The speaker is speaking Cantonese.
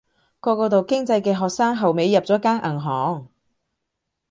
嗰個讀經濟嘅學生後尾入咗間銀行